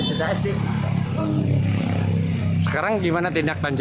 berapa orang saat itu yang datang